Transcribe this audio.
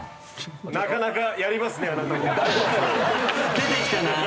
出てきたな。